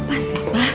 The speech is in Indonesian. apa sih pak